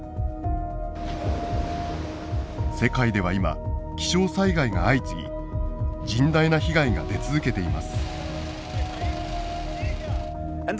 世界では今気象災害が相次ぎ甚大な被害が出続けています。